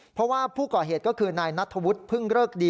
เพราะว่าผู้ก่อเหตุก็คือนายนัทธวุฒิพึ่งเริกดี